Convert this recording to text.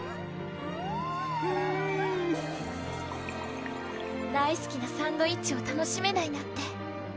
うん大すきなサンドイッチを楽しめないなんて